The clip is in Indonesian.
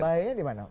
bahayanya di mana